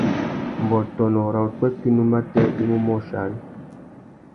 Mbõtônô râ upwêkunú matê i mú môchia ari.